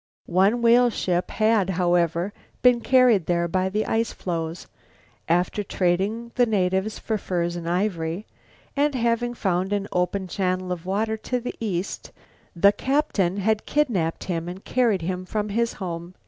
One whaleship had, however, been carried there by the ice floes. After trading for the natives' furs and ivory, and having found an open channel of water to the east, the captain had kidnaped him and carried him from his home.